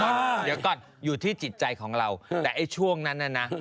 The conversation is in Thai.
เดี๋ยวก่อนอยู่ที่จิตใจของเราแต่ไอ้ช่วงนั้นน่ะนะ